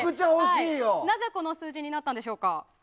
なぜこの数字になったんでしょうか？